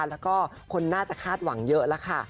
แล้วก็คนน่าจะคาดหวังเยอะแล้วค่ะ